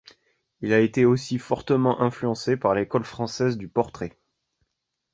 Il a été aussi fortement influencé par l'école française du portrait.